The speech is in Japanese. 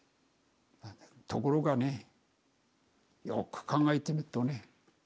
ところがねよく考えてみっとね